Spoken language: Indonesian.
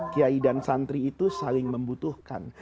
kiai dan santri itu saling membutuhkan